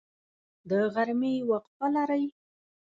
د غرمې وقفه لرئ؟